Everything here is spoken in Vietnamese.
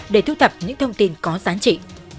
để thu thập những thông tin có giá trị